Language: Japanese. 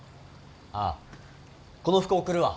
ああこの服送るわ。